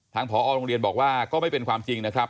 ผอโรงเรียนบอกว่าก็ไม่เป็นความจริงนะครับ